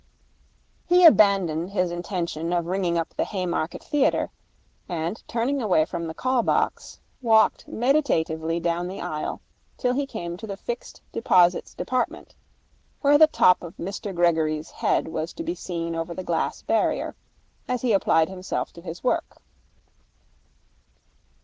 He abandoned his intention of ringing up the Haymarket Theatre, and turning away from the call box, walked meditatively down the aisle till he came to the Fixed Deposits Department, where the top of Mr Gregory's head was to be seen over the glass barrier, as he applied himself to his work.